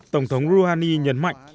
tổng thống rouhani nhấn mạnh